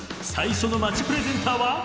［最初の街プレゼンターは］